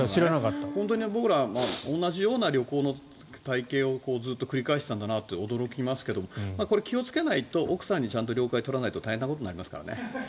本当に僕ら同じような旅行の体系をずっと繰り返していたんだなと驚きますけどこれ、気をつけないと奥さんにちゃんと了解を取らないと大変なことになりますからね。